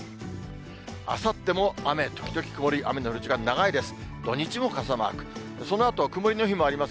あさっても雨時々曇り、雨の降る時間長いです。